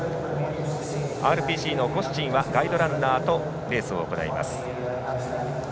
ＲＰＣのコスチンはガイドランナーとレースを行います。